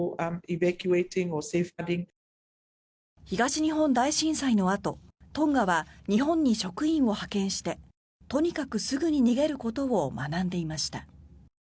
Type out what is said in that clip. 東日本大震災のあとトンガは日本に職員を派遣してとにかくすぐに逃げることを学んでいました。